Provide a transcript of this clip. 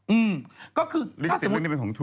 อืมก็คือถ้าสมมุติริจสิทธิ์เรื่องนี้เป็นของทู